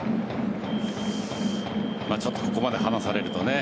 ちょっとここまで離されるとね